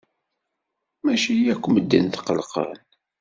Maci akk medden tqellqen.